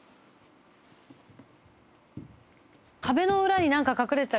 壁の裏に何か隠れてたり。